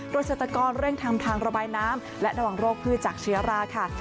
เกษตรกรเร่งทำทางระบายน้ำและระวังโรคพืชจากเชื้อราค่ะ